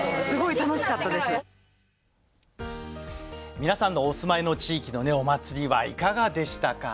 皆さんのお住まいの地域のねお祭りはいかがでしたか？